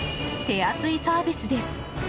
手厚いサービスです。